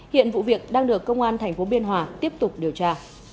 hiện vụ việc đang được công an tp biên hòa tiếp tục điều tra